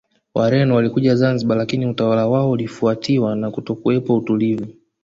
Wareno walikuja Zanzibar lakini utawala wao ulifuatiwa na kutokuwepo utulivu